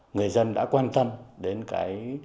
người dân đã quan tâm đến cái